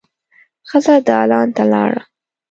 ښځه دالان ته لاړه.